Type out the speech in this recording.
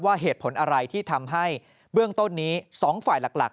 เหตุผลอะไรที่ทำให้เบื้องต้นนี้๒ฝ่ายหลัก